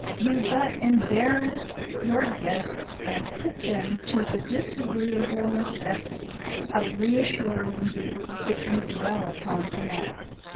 You but embarrass your guests and put them to the disagreeable necessity of reassuring you, if you dwell upon the matter.